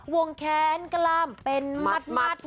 วงแค้นกล้ามเป็นมัด